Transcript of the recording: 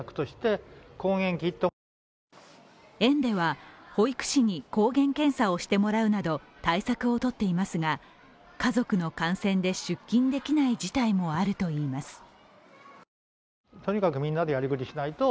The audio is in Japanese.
園では、保育士に抗原検査をしてもらうなど対策をとっていますが家族の感染で出勤できない事態もあるといいます。